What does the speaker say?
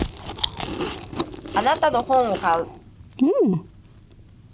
あなたの本を買う。